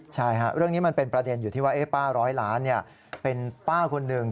ใช่ค่ะเรื่องนี้มันเป็นประเด็นอยู่ที่ว่าป้าร้อยล้านเป็นป้าคนหนึ่ง